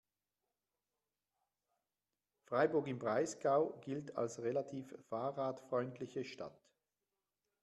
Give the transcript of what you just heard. Freiburg im Breisgau gilt als relativ fahrradfreundliche Stadt.